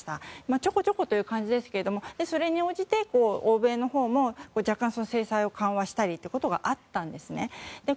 ちょこちょこという感じですがそれに応じて欧米のほうも制裁を緩和したりということがあったんですね。